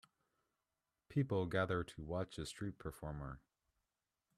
People gather to watch a street performer.